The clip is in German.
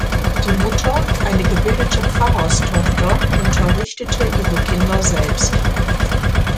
Die Mutter, eine gebildete Pfarrerstochter, unterrichtete ihre Kinder selbst.